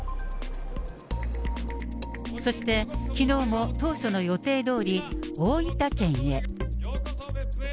そしてきのうも当初の予定どおり、大分県へ。